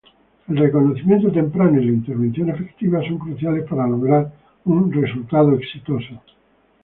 El reconocimiento temprano y la intervención efectiva son cruciales para lograr un resultado exitoso.